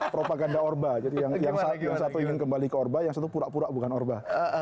propaganda orba jadi yang satu ingin kembali ke orba yang satu pura pura bukan orba